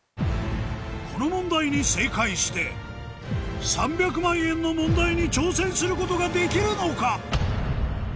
この問題に正解して３００万円の問題に挑戦することができるのか？